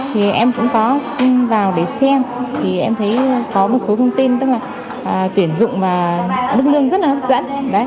thì em cũng có vào để xem thì em thấy có một số thông tin tức là tuyển dụng và mức lương rất là hấp dẫn